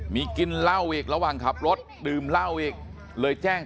มีกินเหล้าอีกระหว่างขับรถดื่มเหล้าอีกเลยแจ้ง